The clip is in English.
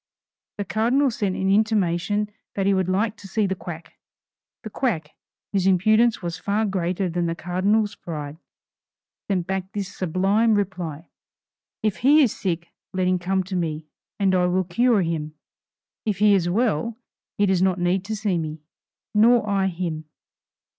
The Cardinal sent an intimation that he would like to see the quack. The quack, whose impudence was far greater than the Cardinal's pride, sent back this sublime reply: "If he is sick let him come to me, and I will cure him. If he is well, he does not need to see me, nor I him."